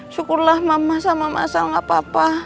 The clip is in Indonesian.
syukurlah mama sama masal gak apa apa